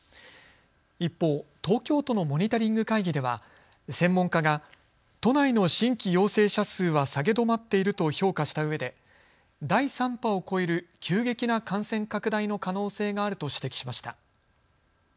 一方、東京都のモニタリング会議では専門家が都内の新規陽性者数は下げ止まっていると評価したうえで第３波を超える急激な感染拡大の可能性があると指摘しました。